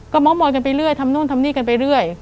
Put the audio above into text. เม้ามอยกันไปเรื่อยทำนู่นทำนี่กันไปเรื่อย